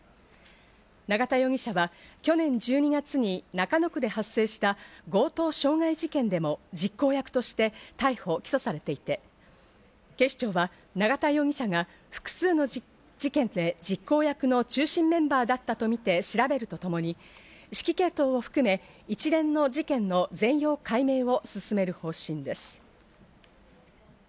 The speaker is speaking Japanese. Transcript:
永田容疑者は去年１２月に中野区で発生した強盗傷害事件でも実行役として逮捕・起訴されていて、警視庁は永田容疑者が複数の事件で実行役の中心メンバーだったとみて調べるとともに、指示系統含め一連の事件の全容解明を進める方針です。